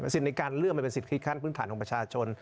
สิทธิ์ในการเลือกมันเป็นสิทธิขั้นพื้นฐานของประชาชน